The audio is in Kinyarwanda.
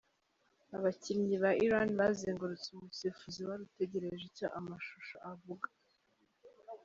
Abakinnyi ba Iran bazengurutse umusifuzi wari utegereje icyo amashusho avuga .